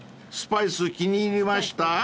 スパイス気に入りました？］